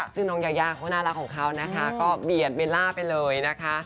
ซึ่งน้องยายาเขาน่ารักของเขานะคะก็เบียดเบลล่าไปเลยนะคะ